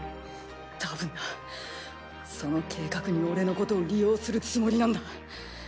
たぶんなその計画に俺のことを利用するつもりなんだ。